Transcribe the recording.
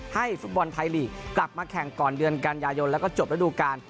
ฟุตบอลไทยลีกกลับมาแข่งก่อนเดือนกันยายนแล้วก็จบระดูการ